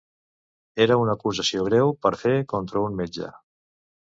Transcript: Era una acusació greu per fer contra un metge.